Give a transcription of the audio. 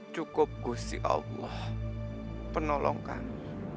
cukup gusti allah penolong kami